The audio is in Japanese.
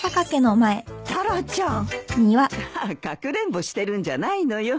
タラちゃん。ああ隠れんぼしてるんじゃないのよ。